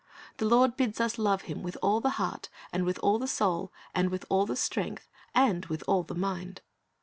The Lord bids us love Him with all the heart, and with all the soul, and with all the strength, and with all the mind.